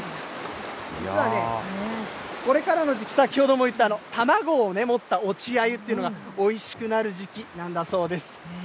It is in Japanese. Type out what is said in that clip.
実はね、これからの時期、先ほども言った卵を持った落ちアユっていうのが、おいしくなる時期なんだそうです。